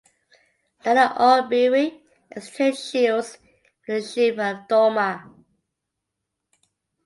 Nana Obiri exchanged shields with the Chief of Dormaa.